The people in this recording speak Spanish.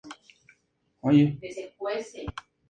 Las concepcionistas llegaron a tener cuatro conventos en Sevilla.